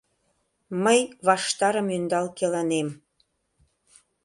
Мый ваштарым ӧндал келанем.